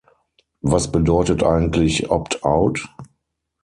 Was bedeutet eigentlich Opt-out?